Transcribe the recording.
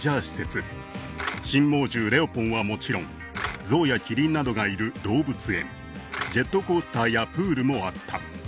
施設新猛獣レオポンはもちろんゾウやキリンなどがいる動物園ジェットコースターやプールもあった